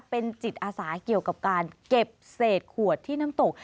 เป็นจิตอาสาเกี่ยวกับการเก็บเศษขวดที่น้ำตก